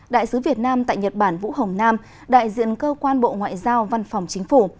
đại sứ việt nam tại nhật bản vũ hồng nam đại diện cơ quan bộ ngoại giao văn phòng chính phủ